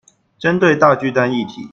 針對大巨蛋議題